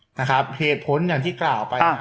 เหตุผลอย่างที่กล่าวไป